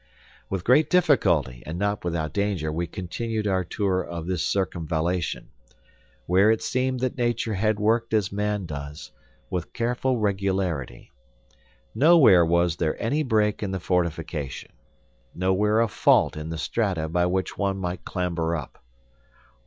With great difficulty and not without danger we continued our tour of this circumvallation, where it seemed that nature had worked as man does, with careful regularity. Nowhere was there any break in the fortification; nowhere a fault in the strata by which one might clamber up.